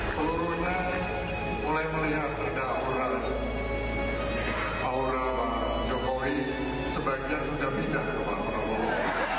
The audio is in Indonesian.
seluruh dunia mulai melihat negara negara jokowi sebaiknya sudah pindah ke bapak prabowo